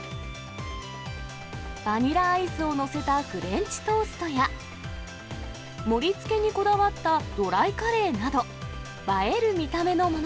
バニラアイスを載せたフレンチトーストや、盛りつけにこだわったドライカレーなど。